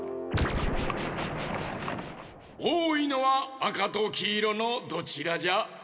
おおいのはあかときいろのどちらじゃ？